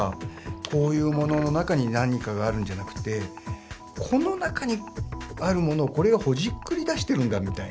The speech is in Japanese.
こういうものの中に何かがあるんじゃなくてこの中にあるものをこれがほじくり出してるんだみたいな。